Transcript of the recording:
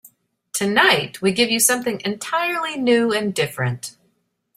Tonight we give you something entirely new and different.